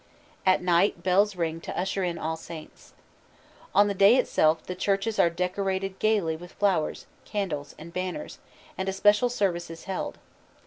At night bells ring to usher in All Saints'. On the day itself the churches are decorated gaily with flowers, candles, and banners, and a special service is held.